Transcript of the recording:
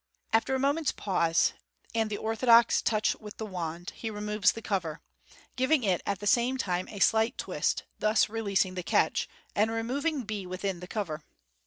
After a moment's pause, and the orthodox touch with the wand, he removes the cover, giving it at the same time a slight twist, thus relen ing the catch, and removing B within the cover.